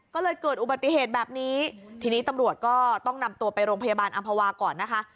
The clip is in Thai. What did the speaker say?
ก็เลยเกิดอุบัติเหตุแบบนี้ทีนี้ตำรวจก็ต้องนำตัวไปโรงพยาบาลอำภาวาก่อนนะคะ